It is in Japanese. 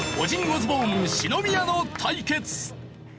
オズボーン篠宮の対決。